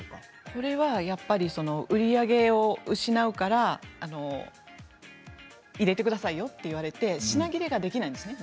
これは売り上げを失うから入れてくださいよと言われて品切れができないんですね